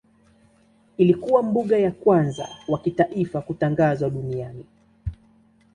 Ilikuwa mbuga ya kwanza wa kitaifa kutangazwa duniani.